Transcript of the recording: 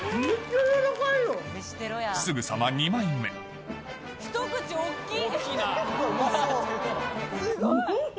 すぐさま２枚目ひと口大っきい。